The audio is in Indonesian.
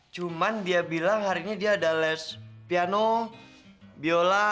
cuman dia bilang harinya dia ada les piano biola